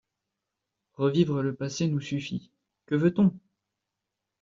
Revivre le passé nous suffit. Que veut-on ?